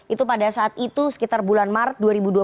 itu pada saat itu sekitar bulan maret dua ribu dua puluh